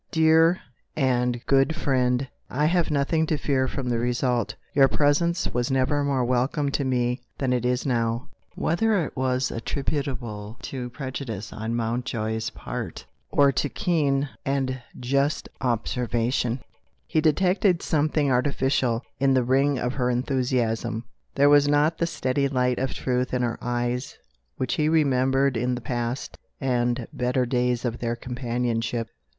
Dear and good friend, I have nothing to fear from the result; your presence was never more welcome to me than it is now!" Whether it was attributable to prejudice on Mountjoy's part, or to keen and just observation, he detected something artificial in the ring of her enthusiasm; there was not the steady light of truth in her eyes, which he remembered in the past and better days of their companionship.